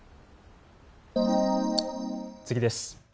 次です。